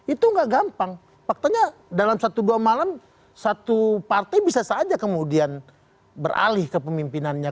itu gak gampang faktanya dalam satu dua malam satu partai bisa saja kemudian beralih ke pemimpinannya